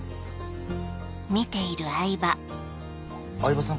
饗庭さん